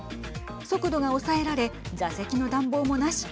速度が抑えられ座席の暖房もなし。